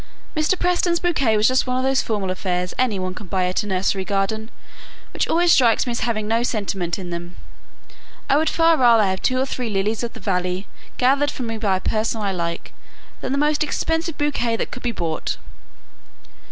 "Mr. Preston's bouquet was just one of those formal affairs any one can buy at a nursery garden, which always strike me as having no sentiment in them. I would far rather have two or three lilies of the valley gathered for me by a person I like, than the most expensive bouquet that could be bought!"